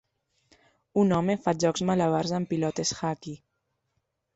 Un home fa jocs malabars amb pilotes Hacky.